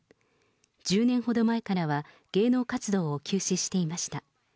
１０年ほど前からは、芸能活動を休止していました。